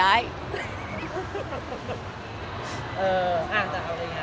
เอออ้าวจะเอาเลยนะ